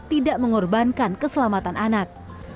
tidak mengorbankan keselamatan anak